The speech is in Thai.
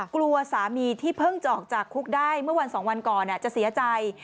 กลัวสามีที่เพิ่งจะออกจากคุกได้เมื่อวัน๒วันก่อนจะเสียใจ